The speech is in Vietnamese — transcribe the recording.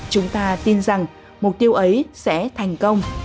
chúng ta tin rằng mục tiêu ấy sẽ thành công